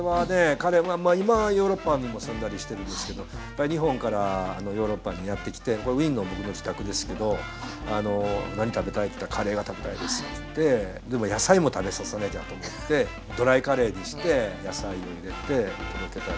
彼今はヨーロッパにも住んだりしてるんですけど日本からヨーロッパにやって来てこれはウィーンの僕の自宅ですけど何食べたい？って言ったらでも野菜も食べさせなきゃと思ってドライカレーにして野菜を入れて届けたり。